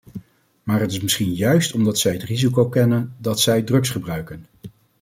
Maar het is misschien juist omdat zij het risico kennen dat zij drugs gebruiken.